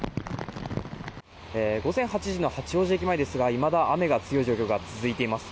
午前８時の八王子駅前ですがいまだ雨が強い状況が続いています。